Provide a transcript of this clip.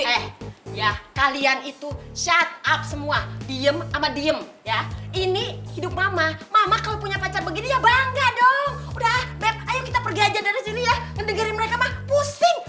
eh ya kalian itu shut up semua diem sama diem ya ini hidup mama mama kalau punya pacar begini ya bangga dong udah map ayo kita pergi aja dari sini ya mendengarin mereka mah pusing